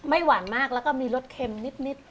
ไม่หวานมากและมีรสเค็มนิด